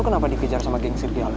lu kenapa dikejar sama geng sirgialnya